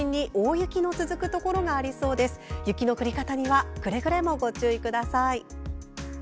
雪の降り方にはくれぐれもご注意ください。